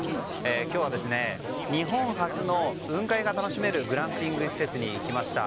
今日は、日本初の雲海が楽しめるグランピング施設に来ました。